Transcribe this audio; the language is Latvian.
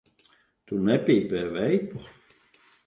Tu nepīpē veipu?